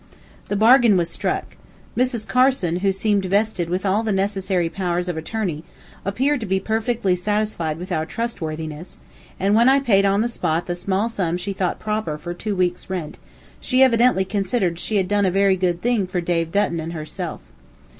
The bargain was struck. Mrs. Carson, who seemed vested with all the necessary powers of attorney, appeared to be perfectly satisfied with our trustworthiness, and when I paid on the spot the small sum she thought proper for two weeks' rent, she evidently considered she had done a very good thing for Dave Dutton and herself.